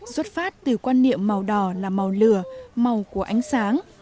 xuất phát từ quan niệm màu đỏ là màu lửa màu của ánh sáng